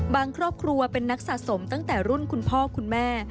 ครอบครัวเป็นนักสะสมตั้งแต่รุ่นคุณพ่อคุณแม่